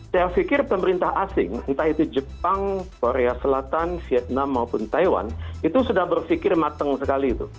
saya pikir pemerintah asing entah itu jepang korea selatan vietnam maupun taiwan itu sudah berpikir mateng sekali itu